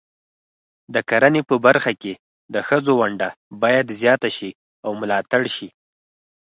د کرنې په برخه کې د ښځو ونډه باید زیاته شي او ملاتړ شي.